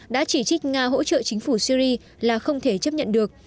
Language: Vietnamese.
đã chỉ trích nga hỗ trợ chính phủ syri là không thể chấp nhận được